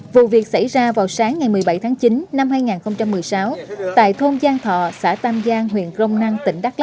vụ việc xảy ra vào sáng ngày một mươi bảy tháng chín năm hai nghìn một mươi sáu tại thôn giang thọ xã tam giang huyện crong năng